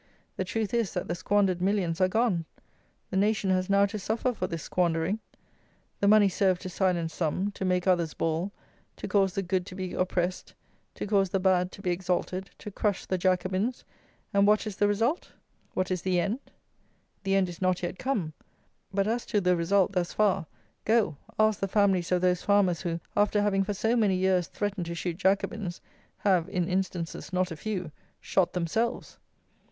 The truth is, that the squandered millions are gone! The nation has now to suffer for this squandering. The money served to silence some; to make others bawl; to cause the good to be oppressed; to cause the bad to be exalted; to "crush the Jacobins:" and what is the result? What is the end? The end is not yet come; but as to the result thus far, go, ask the families of those farmers who, after having for so many years threatened to shoot Jacobins, have, in instances not a few, shot themselves!